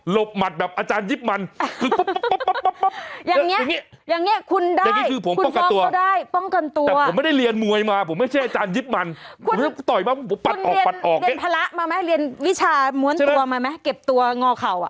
หลบหมัดแบบอาจารย์ยิบมัน